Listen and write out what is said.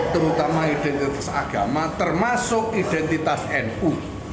terutama identitas agama termasuk identitas nu